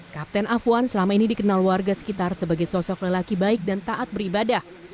kapten afwan selama ini dikenal warga sekitar sebagai sosok lelaki baik dan taat beribadah